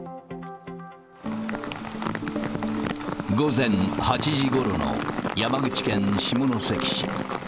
午前８時ごろの山口県下関市。